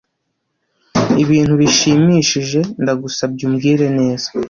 ibi bintu bishimishije? ndagusabye umbwire neza